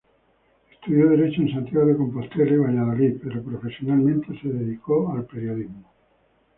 Estudió Derecho en Santiago de Compostela y Valladolid, pero profesionalmente se dedicó al periodismo.